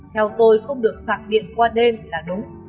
theo tôi không được sạc điện qua đêm là đúng